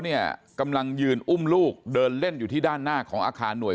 เนี่ยกำลังยืนอุ้มลูกเดินเล่นอยู่ที่ด้านหน้าของอาคารหน่วย